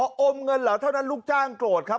อมเงินเหรอเท่านั้นลูกจ้างโกรธครับ